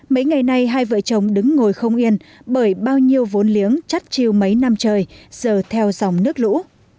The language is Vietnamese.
mấy ngày nay hai vợ chồng đứng ngồi không yên bởi bao nhiêu vốn liếng chắt chiều mấy năm trời giờ theo dòng nước lũ